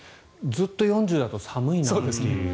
ずっと４０度だと寒いなと。